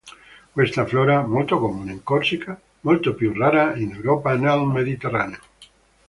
Questa flora, molto comune in Corsica, molto più rara in Europa e nel Mediterraneo.